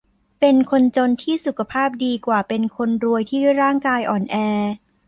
เป็นคนจนที่สุขภาพดีกว่าเป็นคนรวยที่ร่างกายอ่อนแอ